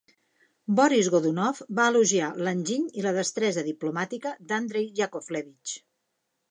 Boris Godunov va elogiar l'enginy i la destresa diplomàtica d'Andrey Yakovlevich.